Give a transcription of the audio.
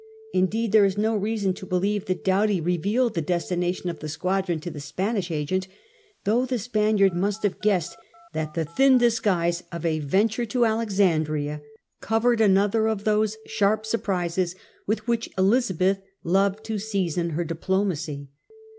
Indeed there is no reason to believe that Doughty revealed the destination of the squadron to the Spanish agent, though the Spaniard must have guessed that the thin disguise of a venture to Alexandria covered another of those sharp surprises with which Elizabeth loved to season her diplomacy.